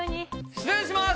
失礼します！